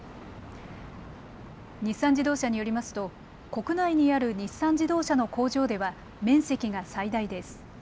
日産自動車によりますと国内にある日産自動車の工場では面積が最大です。